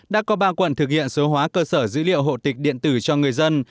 đã có ba quận thực hiện số hóa cơ sở dữ liệu hộ tịch điện tử cho người dân